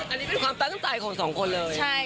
อันนี้เป็นความตั้งใจของสองคนเลย